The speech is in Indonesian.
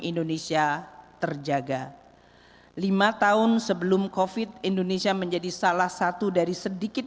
indonesia terjaga lima tahun sebelum covid indonesia menjadi salah satu dari sedikit